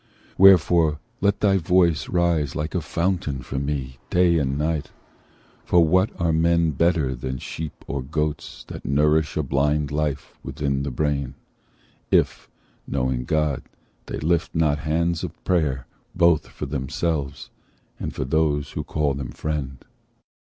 Wherefore, let thy voice Rise like a fountain for me night and day. For what are men better than sheep or goats That nourish a blind life within the brain, If, knowing God, they lift not hands of prayer Both for themselves and those who call them friend?